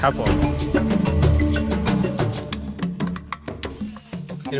ครับผม